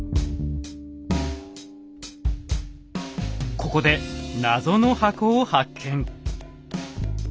ここでナゾの箱を発見。